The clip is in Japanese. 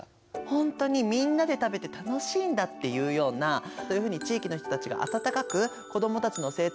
本当にみんなで食べて楽しいんだっていうようなそういうふうに地域の人たちが温かく子どもたちの成長を見守る子ども食堂。